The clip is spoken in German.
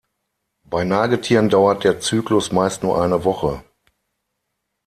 Bei Nagetieren dauert der Zyklus meist nur eine Woche.